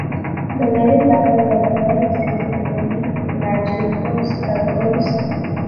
"The Living Bible" was well received in many Evangelical circles.